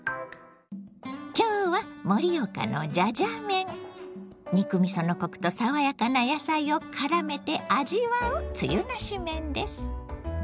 今日は盛岡の肉みそのコクとさわやかな野菜をからめて味わうつゆなし麺です。